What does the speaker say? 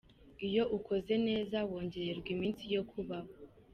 Iyo ukoze neza wongererwa iminsi yo kubaho.